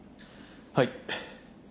はい。